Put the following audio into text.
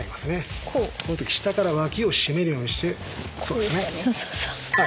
この時下から脇を締めるようにしてそうですね。